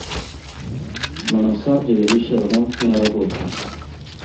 На мансардзе вяліся рамонтныя работы.